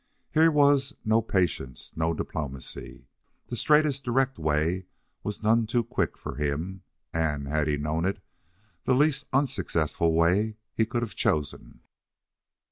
Here was no patience, no diplomacy. The straightest, direct way was none too quick for him and, had he known it, the least unsuccessful way he could have chosen.